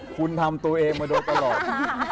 คุณทำตัวเองมาโดยตลอด